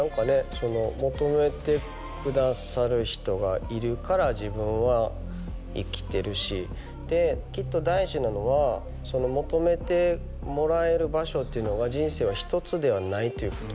その求めてくださる人がいるから自分は生きてるしできっと大事なのは求めてもらえる場所っていうのが人生は１つではないということ